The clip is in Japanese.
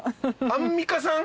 アンミカさん？